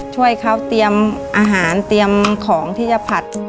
ช่วยเขาเตรียมอาหารเตรียมของที่จะผัด